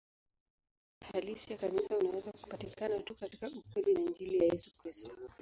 Umoja halisi wa Kanisa unaweza kupatikana tu katika ukweli wa Injili ya Yesu Kristo.